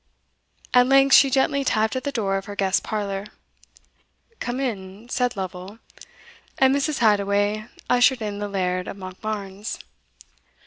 At length she gently tapped at the door of her guest's parlour. "Come in," said Lovel; and Mrs. Hadoway ushered in the Laird of Monkbarns.